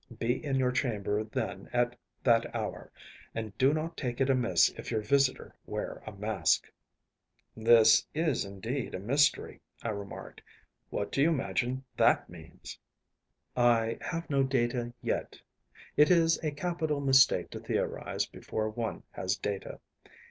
Be in your chamber then at that hour, and do not take it amiss if your visitor wear a mask.‚ÄĚ “This is indeed a mystery,‚ÄĚ I remarked. “What do you imagine that it means?‚ÄĚ “I have no data yet. It is a capital mistake to theorise before one has data.